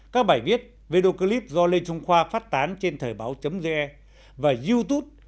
các bài viết video clip do lê trung khoa phát tán trên thời báo ge và youtube